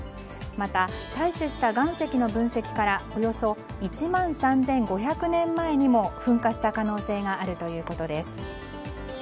また、採取した岩石の分析からおよそ１万３５００年前にも噴火した可能性があるということです。